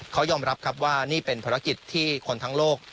เขายอมรับครับว่านี่เป็นภารกิจที่คนทั้งโลก